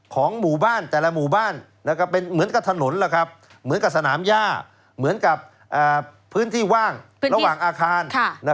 ของหมู่บ้านแต่ละหมู่บ้านเป็นเหมือนกับถนนเหมือนกับสนามย่าเหมือนกับพื้นที่ว่างระหว่างอาคาร